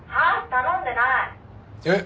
頼んでない」えっ？